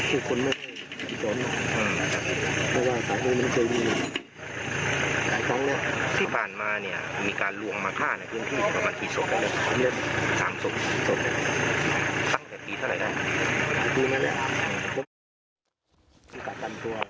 ที่ผ่านมาเนี่ยมีการลวงมาฆ่าในพื้นที่ประมาณที่ส่วนตั้งแต่ปีเท่าไหร่ได้